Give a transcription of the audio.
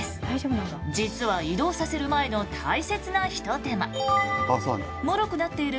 実は移動させる前の大切なひと手間。